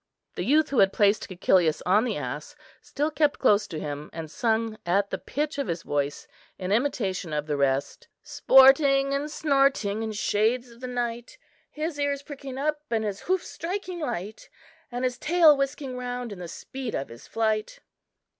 The youth who had placed Cæcilius on the ass still kept close to him and sung at the pitch of his voice, in imitation of the rest— "Sporting and snorting in shades of the night, His ears pricking up, and his hoofs striking light, And his tail whisking round, in the speed of his flight."